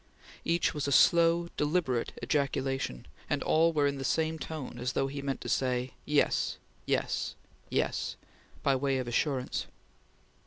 Each was a slow, deliberate ejaculation, and all were in the same tone, as though he meant to say: "Yes! ... Yes! ... Yes!" by way of assurance.